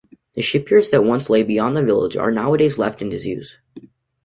The shipyards that once lay beyond the village are nowadays left in disuse.